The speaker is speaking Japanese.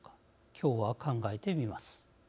今日は考えてみます。